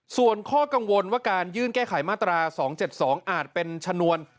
ส่วนข้อกังวลว่าการยื่นแก้ไขมาตรา๒๗๒อาจเป็นชนวน